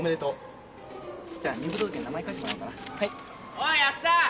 おーい安田。